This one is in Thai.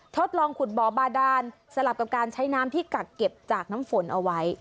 ทดลองขุดบ่อบาดานสลับกับการใช้น้ำที่กักเก็บจากน้ำฝนเอาไว้